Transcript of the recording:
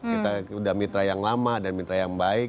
kita sudah mitra yang lama dan mitra yang baik